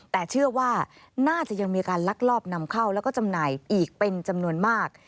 แต่เชื่อว่าน่าจะยังมีการลักลอบนำเข้าแล้วก็จำหน่ายอีกเป็นจำนวนมาก